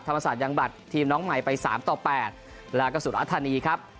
ธรรมศาสตร์ยังบัดทีมน้องใหม่ไป๓๘แล้วก็สุดอธานีครับ